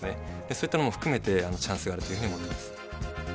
そういったものも含めてチャンスがあるというふうに思ってます。